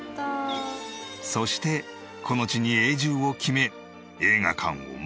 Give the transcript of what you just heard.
そしてこの地に永住を決め映画館を丸ごと買い取った。